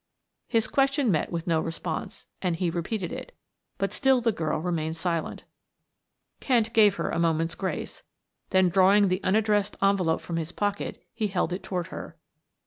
His question met with no response, and he repeated it, but still the girl remained silent. Kent gave her a moment's grace, then drawing out the unaddressed envelope from his pocket he held it toward her.